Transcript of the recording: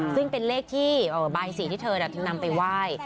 ซึ่งเป็นเลขที่ใบ๔ที่เธอแบบนั้นไปไหว้